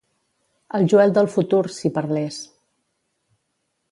El Joel del futur, si parlés.